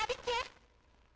kau tahu apa yang terjadi